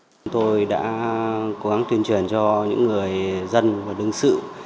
chúng tôi đã cố gắng tuyên truyền cho những người dân và đương sự